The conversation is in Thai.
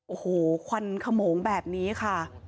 โอ้โหควันขโมงแบบนี้ค่ะ